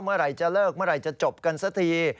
เมื่อไหร่จะเลิกเมื่อไหร่จะจบกันสักที